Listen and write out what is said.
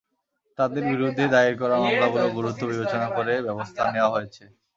তাদের বিরুদ্ধে দায়ের করা মামলাগুলোর গুরুত্ব বিবেচনা করে ব্যবস্থা নেওয়া হয়েছে।